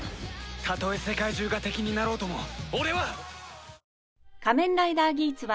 たとえ世界中が敵になろうとも俺は！